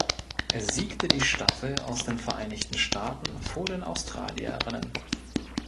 Es siegte die Staffel aus den Vereinigten Staaten vor den Australierinnen.